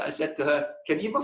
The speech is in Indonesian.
bisa pindah ke sebelah kiri enggak